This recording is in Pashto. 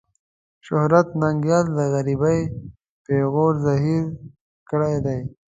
شهرت ننګيال د غريبۍ پېغور زهير کړی دی.